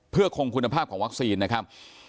เพื่อคงคุณภาพของวัคซีนนะครับ